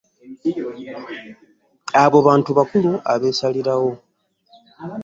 Abo bantu bakulu abeesalirawo.